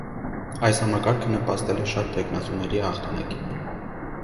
Այս համակարգը նպաստել է շատ թեկնածուների հաղթանակին։